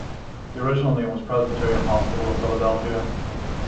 The original name was Presbyterian Hospital of Philadelphia.